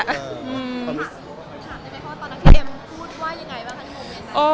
คุณถามได้ไหมความรู้สึกตอนที่เอ็มพูดว่ายังไงบ้างครับ